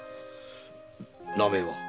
名前は？